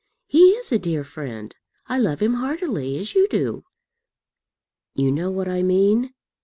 He is a dear friend. I love him heartily, as you do." "You know what I mean?"